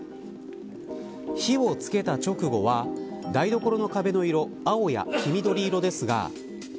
火をつけた直後は台所の壁の色、青や黄緑色です。